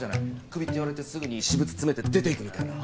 クビって言われてすぐに私物詰めて出ていくみたいな。